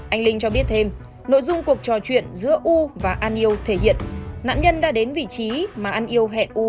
anh linh cho biết thêm nội dung cuộc trò chuyện giữa u và an yêu thể hiện nạn nhân đã đến vị trí mà an yêu hẹn u